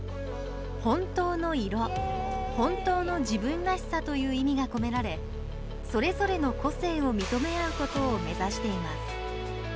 本当の色本当の自分らしさという意味が込められそれぞれの個性を認め合うことを目指しています。